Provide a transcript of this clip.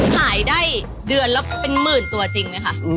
ขายได้เดือนละเป็นหมื่นตัวจริงไหมคะ